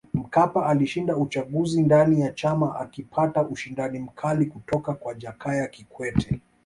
Mkapa alishinda uchaguzi ndani ya chama akipata ushindani mkali kutoka kwa Jakaya Kikwete